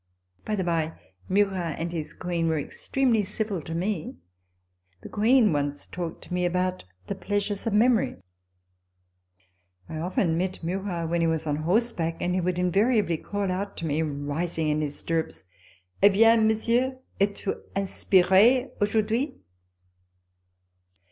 By the bye, Murat and his Queen were extremely civil to me. The Queen once talked to me about "The Pleasures of Memory." I often met Murat when he was on horseback, and he would invariably call out to me, rising in his stirrups, " He bien, Monsieur, etes vous inspire aujourd'hui